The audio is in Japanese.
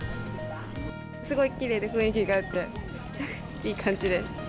すごいきれいで雰囲気があって、いい感じで。